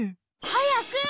はやく！